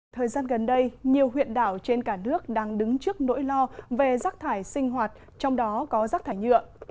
thời gian gần đây nhiều huyện đảo trên cả nước đang đứng trước nỗi lo về rác thải sinh hoạt trong đó có rác thải nhựa